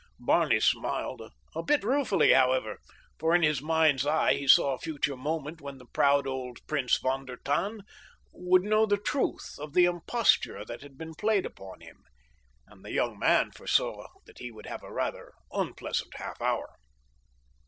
Barney smiled, a bit ruefully, however, for in his mind's eye he saw a future moment when the proud old Prince von der Tann would know the truth of the imposture that had been played upon him, and the young man foresaw that he would have a rather unpleasant half hour.